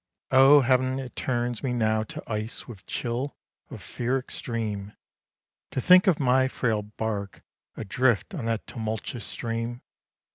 Oh, Heav'n! it turns me now to ice with chill of fear extreme, To think of my frail bark adrift on that tumultuous stream!